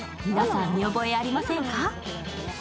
皆さん、見覚えありませんか？